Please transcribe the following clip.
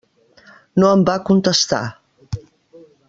No em va contestar.